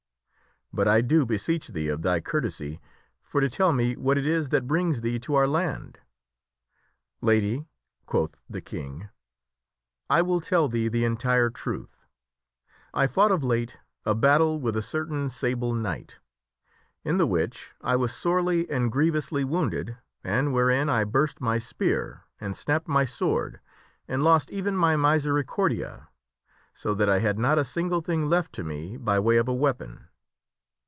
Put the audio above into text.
But I do beseech thee of thy courtesy for to t< me what it is that brings thee to our land?" " Lady," quoth the King, " I will tell thee the entire truth. late a battle with a certain sable knight, in the which I was sorely and 70 THE WINNING OF A SWORD grievously wounded, and wherein I burst my spear and snapped my sword and lost even my misericordia, so that I had not a single thing lef tme by way of a weapon.